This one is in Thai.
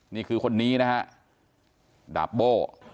นี่คือคนนี้นะฮะดาบโบ้